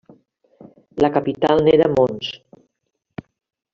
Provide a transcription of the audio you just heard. La capital n'era Mons.